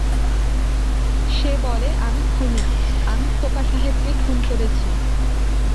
সে বলে আমি খুনী, আমি খোকা সাহেবকে খুন করেছি।